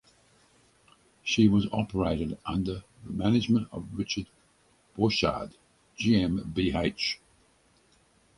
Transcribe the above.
She was operated under the management of Richard Borchard GmbH.